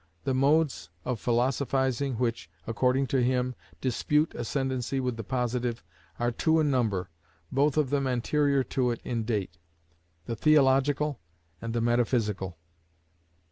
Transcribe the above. The modes of philosophizing which, according to him, dispute ascendancy with the Positive, are two in number, both of them anterior to it in date; the Theological, and the Metaphysical.